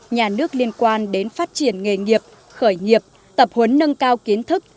nhà nước liên quan đến phát triển nghề nghiệp khởi nghiệp tập huấn nâng cao kiến thức